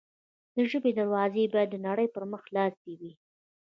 د ژبې دروازې باید د نړۍ پر مخ خلاصې وي.